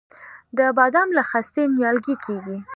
د بادام له خستې نیالګی کیږي؟